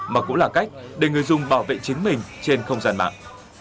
mà cũng là cách để người dùng bảo vệ chính mình trên không gian mạng